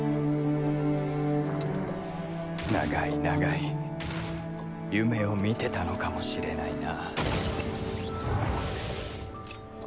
長い長い夢を見てたのかもしれないな。